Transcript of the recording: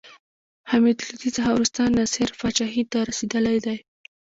حمید لودي څخه وروسته نصر پاچاهي ته رسېدلى دﺉ.